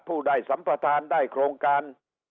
ผู้ได้สัมภาษณ์ได้โครงการ